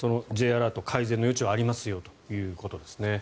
Ｊアラート改善の余地はありますよということですね。